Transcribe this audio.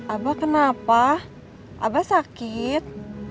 abah kenapa abah sakit